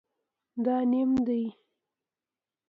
دا نیم دی